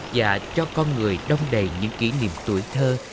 và cho con người đông đầy những kỷ niệm tuổi thơ